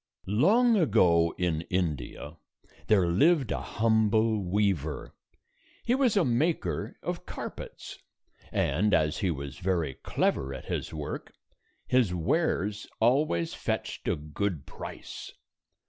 Long ago, in India, there lived a humble weaver. He was a maker of carpets, and as he was very clever at his work, his wares always fetched a good price.